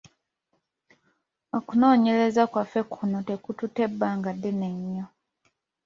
Okunoonyereza kwaffe kuno tekututte bbanga ddene nnyo.